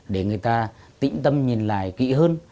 để người ta tĩnh tâm nhìn lại kỹ hơn